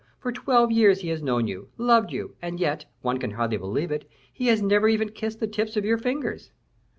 for twelve years he has known you, loved you, and yet one can hardly believe it he has never even kissed the tips of your fingers."